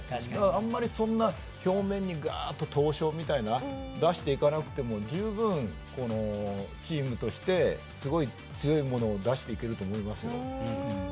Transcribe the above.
あまり、そんなに表面に闘志を、みたいなものも出していかなくても十分、チームとしてすごい強いものを出していけると思いますよ。